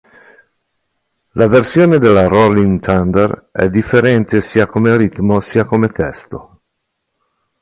La versione della Rolling Thunder è differente sia come ritmo sia come testo.